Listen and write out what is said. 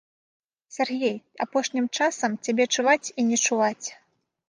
Сяргей, апошнім часам цябе чуваць і не чуваць.